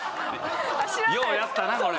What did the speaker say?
ようやったなこれ。